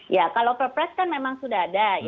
ya kalau perpres kan memang sudah ada